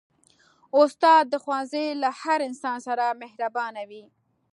استاد د ښوونځي له هر انسان سره مهربانه وي.